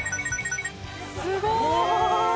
すごい！